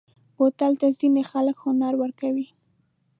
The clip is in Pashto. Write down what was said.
بوتل ته ځینې خلک هنر ورکوي.